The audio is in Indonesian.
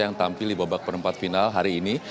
yang tampil di babak perempat final hari ini